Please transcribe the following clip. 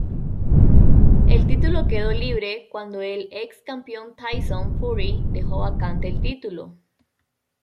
El título quedó libre cuando el ex campeón Tyson Fury dejó vacante el título.